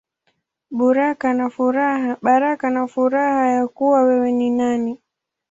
Baraka na Furaha Ya Kuwa Wewe Ni Nani.